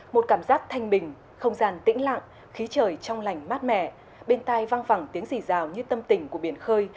một cảm giác thanh bình không gian tĩnh lặng khí trời trong lành mát mẻ bên tai văng vẳng tiếng rì rào như tâm tình của biển khơi